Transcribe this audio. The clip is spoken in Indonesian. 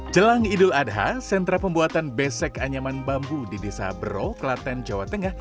jelang idul adha sentra pembuatan besek anyaman bambu di desa bero kelaten jawa tengah